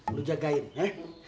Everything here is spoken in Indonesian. lo jagain ya